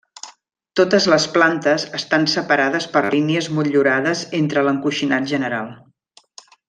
Totes les plantes estan separades per línies motllurades entre l'encoixinat general.